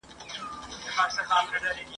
او منلي هوښیارانو د دنیا دي ..